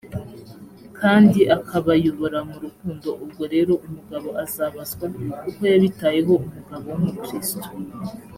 kandi akabayobora mu rukundo ubwo rero umugabo azabazwa uko yabitayeho umugabo w umukristo